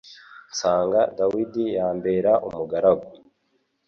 Nsanga Dawudi yambera umugaragu